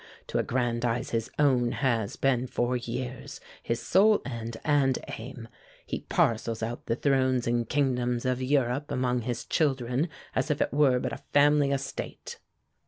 To aggrandize his own has been for years his sole end and aim. He parcels out the thrones and kingdoms of Europe among his children as if it were but a family estate."